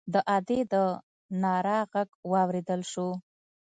د ادي د ناره غږ واورېدل شو.